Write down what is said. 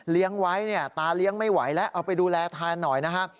ไว้เนี่ยตาเลี้ยงไม่ไหวแล้วเอาไปดูแลแทนหน่อยนะครับ